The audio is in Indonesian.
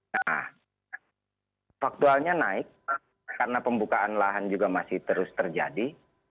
nah faktualnya naik karena pembukaan lahan juga masih terus terjadi